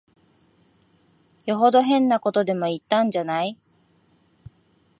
よほど変なことでも言ったんじゃない。